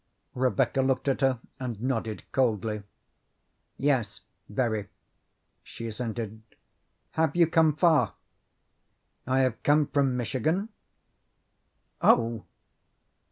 Rebecca looked at her and nodded coldly. "Yes, very," she assented. "Have you come far?" "I have come from Michigan." "Oh!"